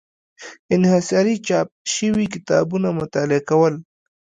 انحصاري چاپ شوي کتابونه مطالعه کول.